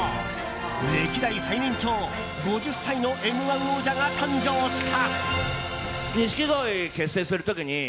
歴代最年長５０歳の「Ｍ‐１」王者が誕生した。